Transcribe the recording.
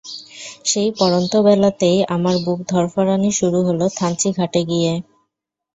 সেই পড়ন্ত বেলাতেই আমার বুক ধড়ফড়ানি শুরু হলো থানচি ঘাটে গিয়ে।